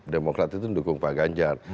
demokrat itu mendukung pak ganjar